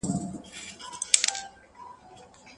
ښه داده چي زوم او د هغه کورنۍ چي ولور پر باندي وي،